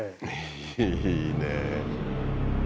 いいね。